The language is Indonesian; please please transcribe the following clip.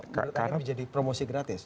menurut anda menjadi promosi gratis